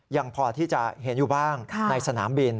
ยังพอที่จะเห็นอยู่บ้างในสนามบิน